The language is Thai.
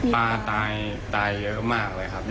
ตายตายเยอะมากเลยครับ